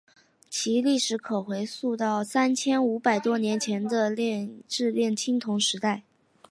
其历史可回溯到三千五百多年前的冶炼青铜时代。